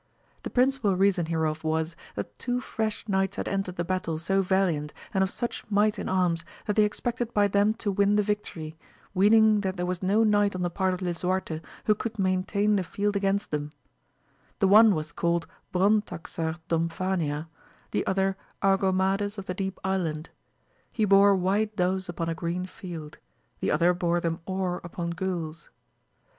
The principal reason hereof was, that two fresh Knights had entered the battle so valiant, and of such might in arms, that they expected by them to win the vic tory, weening that there was no knight on the part of Lisuarte who could maintain the field against theuL The one was called Brontaxar Domfania, the other Argomades of the Deep Island ; he bore white doves upon a green field, the other bore them or upon gules.